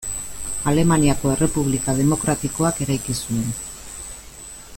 Alemaniako Errepublika demokratikoak eraiki zuen.